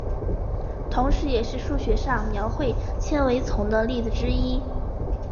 同时也是数学上描绘纤维丛的例子之一。